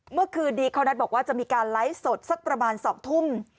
เมื่อคืนนี้เขานัดบอกว่าจะมีการไลฟ์สดสักประมาณ๒ทุ่ม